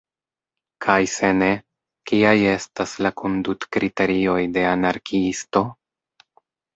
Kaj se ne, kiaj estas la kondutkriterioj de anarkiisto?